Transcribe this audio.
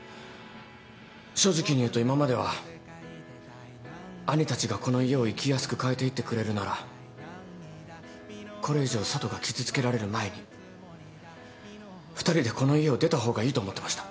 正直に言うと今までは兄たちがこの家を生きやすく変えていってくれるならこれ以上佐都が傷つけられる前に２人でこの家を出た方がいいと思ってました。